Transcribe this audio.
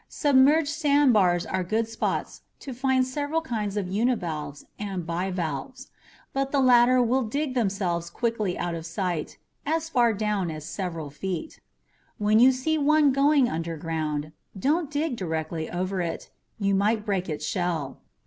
Submerged sandbars are good spots to find several kinds of univalves and bivalves, but the latter will dig themselves quickly out of sight as far down as several feet. When you see one going underground, don't dig directly over it you might break its shell.